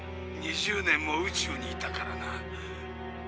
２０年も宇宙にいたからな。